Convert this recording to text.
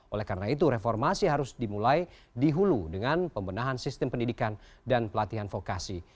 oleh karena itu reformasi harus dimulai dihulu dengan pembendahan sistem pendidikan dan pelatihan vokasi